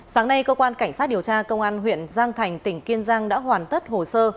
sáng nay cơ quan cảnh sát điều tra công an huyện giang thành tỉnh kiên giang đã hoàn tất hồ sơ